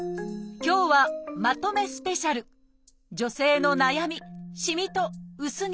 今日は「まとめスペシャル」女性の悩み